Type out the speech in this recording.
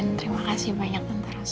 amin terima kasih banyak tante rose